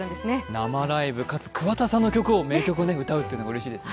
生ライブ、かつ桑田さんの名曲を歌うというのがうれしいですね。